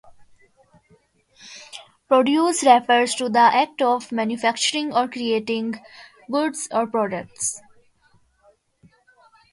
Produce refers to the act of manufacturing or creating goods or products.